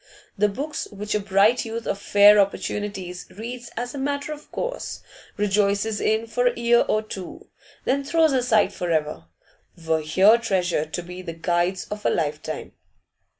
The books which a bright youth of fair opportunities reads as a matter of course, rejoices in for a year or two, then throws aside for ever, were here treasured to be the guides of a lifetime.